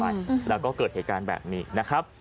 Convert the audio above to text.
อันนั้นก็เลยพุ่งชนไปแล้วก็เกิดเหตุการณ์แบบนี้นะครับ